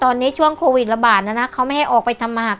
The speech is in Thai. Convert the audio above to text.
ตอนนี้ช่วงโควิดระบาดนะนะเขาไม่ให้ออกไปทำหาก